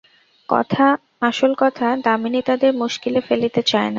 আসল কথা, দামিনী তাদের মুশকিলে ফেলিতে চায় না।